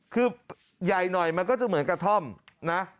คือใหญ่หน่อยมันก็จะเหมือนกระท่อมนะ